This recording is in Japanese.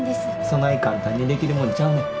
そない簡単にできるもんちゃうねん。